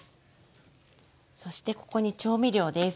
そしてここに調味料です。